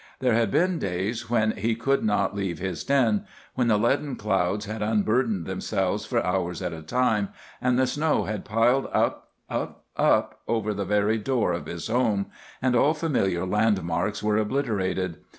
There had been days when he could not leave his den; when the leaden clouds had unburdened themselves for hours at a time, and the snow had piled up, up, up over the very door of his home, and all familiar landmarks were obliterated.